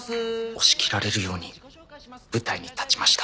押し切られるように舞台に立ちました。